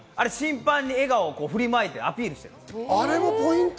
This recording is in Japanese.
審判に笑顔を振りまいてアピールしてるんです。